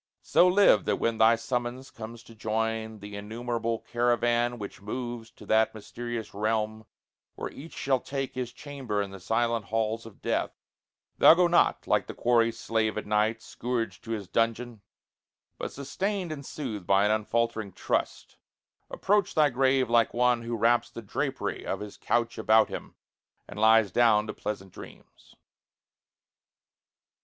So live, that when thy summons comes to join The innumerable caravan which moves To that mysterious realm where each shall take His chamber in the silent halls of death, Thou go not, like the quarry slave at night, Scourged to his dungeon; but, sustained and soothed By an unfaltering trust, approach thy grave Like one who wraps the drapery of his couch About him, and lies down to pleasant dreams.